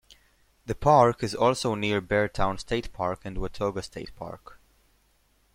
The park is also near Beartown State Park and Watoga State Park.